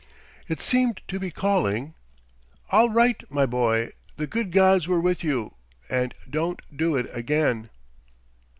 It seemed to be calling: "All right, my boy! the good gods were with you, but don't do it again!"